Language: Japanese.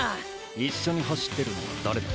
一緒に走ってるのは誰だ？